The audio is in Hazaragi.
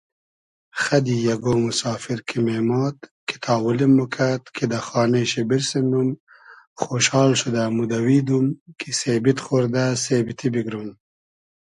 خئدی یئگۉ موسافیر کی مېماد کی تاولیم موکئد کی دۂ خانې شی بیرسینوم خۉشال شودۂ مودئویدوم کی سېبید خۉردۂ سېبتی بیگروم